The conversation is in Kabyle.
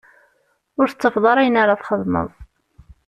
Ur tettafeḍ ara ayen ara txedmeḍ.